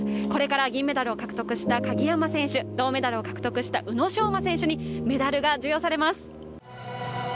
これから銀メダルを獲得した鍵山選手、銅メダルを獲得した宇野昌磨選手にメダルが授与されます。